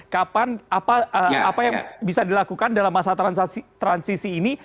kapan apa yang bisa dilakukan dalam masa transisi ini